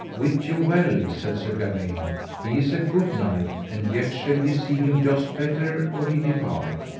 Wit you well, said Sir Gawaine, he is a good knight, and yet shall ye see him joust better or he depart.